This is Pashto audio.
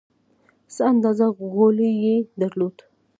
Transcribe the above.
څه اندازه غولی یې درلود.